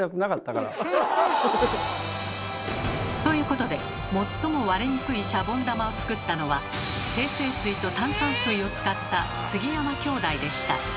ということで最も割れにくいシャボン玉を作ったのは精製水と炭酸水を使った杉山兄弟でした。